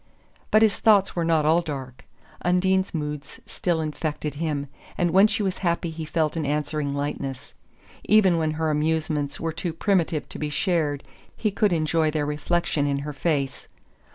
But his thoughts were not all dark. Undine's moods still infected him, and when she was happy he felt an answering lightness. Even when her amusements were too primitive to be shared he could enjoy their reflection in her face.